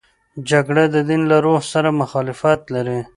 جګړه د دین له روح سره مخالفت لري